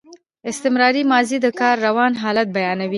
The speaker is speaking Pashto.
استمراري ماضي د کار روان حالت بیانوي.